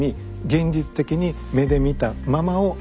現実的に目で見たままを描いてます。